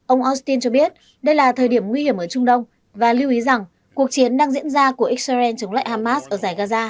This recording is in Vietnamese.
ông austin cho biết đây là thời điểm nguy hiểm ở trung đông và lưu ý rằng cuộc chiến đang diễn ra của israel chống lại hamas ở giải gaza